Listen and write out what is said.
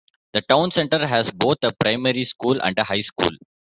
The town center has both a primary school and a high school.